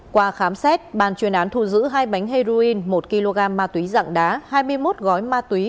qua khám xét ban chuyên án thu giữ hai bánh heroin một kg ma túy dạng đá hai mươi một gói ma túy